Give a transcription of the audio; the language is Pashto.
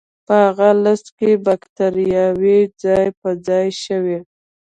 په هغه لست کې بکتریاوې ځای په ځای شوې.